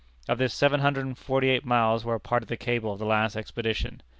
Of this seven hundred and forty eight miles were a part of the cable of the last expedition.